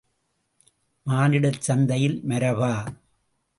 மானிடச் சந்தையில் மரபா?